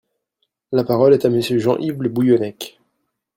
La parole est à Monsieur Jean-Yves Le Bouillonnec.